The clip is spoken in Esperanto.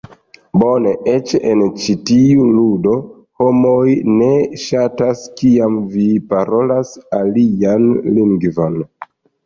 Bone! Eĉ en ĉi tiu ludo, homoj ne ŝatas kiam vi parolas alian lingvon.